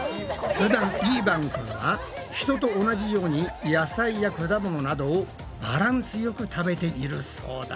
ふだんイーバンくんは人と同じように野菜や果物などをバランスよく食べているそうだ。